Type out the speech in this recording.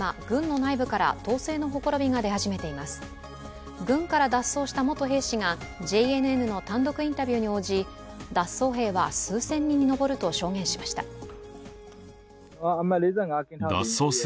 軍から脱走した元兵士がＪＮＮの単独インタビューに応じ脱走兵は数千人に上ると証言しました。